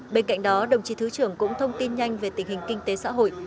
bên cạnh đó đồng chí thứ trưởng cũng thông tin nhanh về tình hình kinh tế xã hội